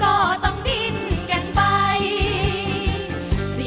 ก็จะมีความสุขมากกว่าทุกคนค่ะ